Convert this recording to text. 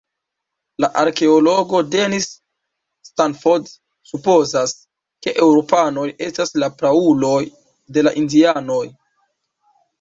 La arkeologo Dennis Stanford supozas, ke eŭropanoj estas la prauloj de la indianoj.